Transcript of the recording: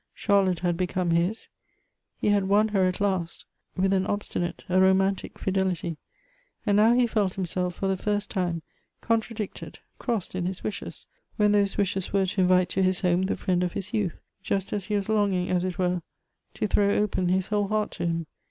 Charlotte had become his ; he had won her at last, with an obsti nate, a romantic fidelity; and now he felt himself, for Elective Affinities. 11 the first time contradicted, crossed in his wishes, when those wishes were to invite to liis home the friend of his youth — just as he was longing, as it were, to throw open his whole heart to him.